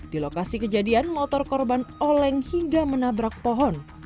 di lokasi kejadian motor korban oleng hingga menabrak pohon